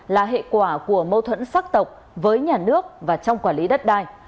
là hệ quả của mâu thuẫn sắc tộc với nhà nước và trong quản lý đất đai